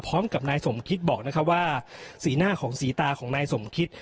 พร้อมกับนายสมคิดบอกนะครับว่าสีหน้าของสีตาของนายสมคิต